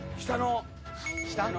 下の。